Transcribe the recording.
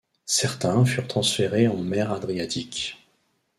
Certains furent transférés en Mer Adriatique.